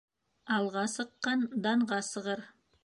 Алға сыҡҡан данға сығыр.